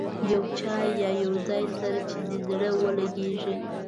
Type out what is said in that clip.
یو چا یا یو ځای سره چې دې زړه ولګېږي.